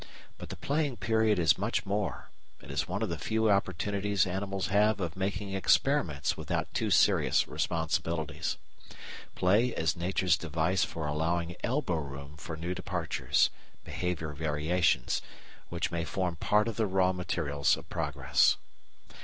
But the playing period is much more; it is one of the few opportunities animals have of making experiments without too serious responsibilities. Play is Nature's device for allowing elbow room for new departures (behaviour variations) which may form part of the raw materials of progress.